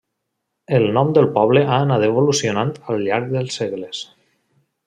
El nom del poble ha anat evolucionant al llarg dels segles.